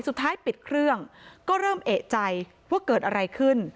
สุดท้ายปิดเครื่องก็เริ่มเอกใจว่าเกิดอะไรขึ้น